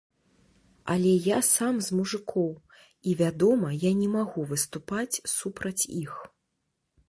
Але я сам з мужыкоў, і, вядома, я, не магу выступаць супраць іх.